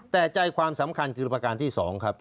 แต่ใจความสำคัญคือประการที่๒ครับ